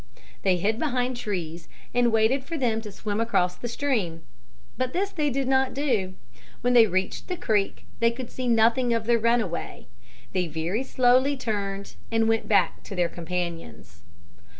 They hid behind trees and waited for them to swim across the stream. But this they did not do. When they reached the creek, they could see nothing of their runaway. They very slowly turned and went back to their companions.